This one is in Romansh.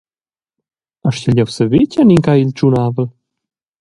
Astgel jeu saver tgeinin ch’ei il tschunavel?